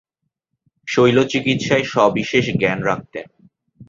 শৈলচিকিৎসায় সবিশেষ জ্ঞান রাখতেন।